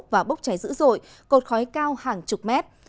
và bốc cháy dữ dội cột khói cao hàng chục mét